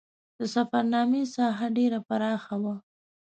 د سفرنامې ساحه ډېره پراخه وه.